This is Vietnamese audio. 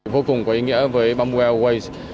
vô cùng có ý nghĩa với bamboo airways